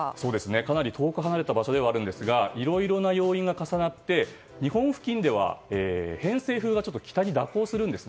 かなり遠く離れた場所ではあるんですがいろいろな要因が重なって日本付近では偏西風が北に蛇行するんです。